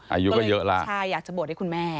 อายุก็เยอะละ